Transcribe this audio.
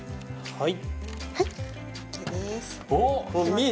はい。